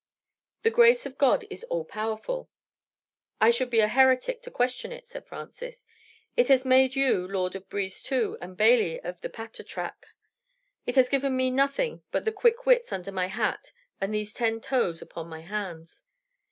"The grace of God is all powerful." "I should be a heretic to question it," said Francis. "It has made you lord of Brisetout, and bailly of the Patatrac; it has given me nothing but the quick wits under my hat and these ten toes upon my hands.